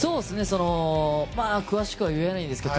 そのまあ詳しくは言えないんですけど